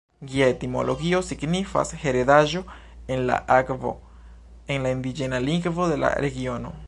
Gia etimologio signifas "heredaĵo en la akvo", en la indiĝena lingvo de la regiono.